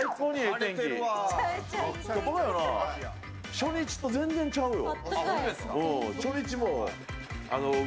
初日と全然ちゃうよ。